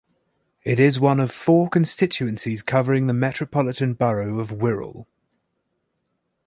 It is one of four constituencies covering the Metropolitan Borough of Wirral.